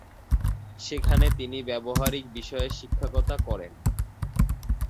সেখানে তিনি ব্যবহারিক বিষয়ে শিক্ষকতা করেন।